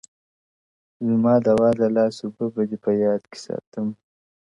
زما دوا د لاس اوبــه .!بـــه دي پـــــه يــــاد کي سـاتم.!